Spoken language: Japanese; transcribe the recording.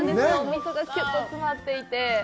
味噌がきゅっと詰まっていて。